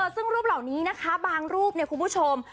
ซึ่งรูปเหล่านี้นะคะบางรูปเนี่ยคุณผู้ชม